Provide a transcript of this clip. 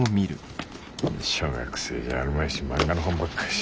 小学生じゃあるまいし漫画の本ばっかし。